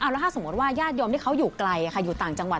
แล้วถ้าสมมุติว่าญาติโยมที่เขาอยู่ไกลอยู่ต่างจังหวัด